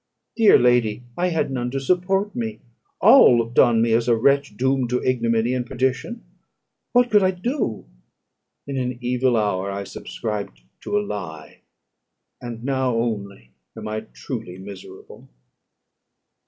Dear lady, I had none to support me; all looked on me as a wretch doomed to ignominy and perdition. What could I do? In an evil hour I subscribed to a lie; and now only am I truly miserable."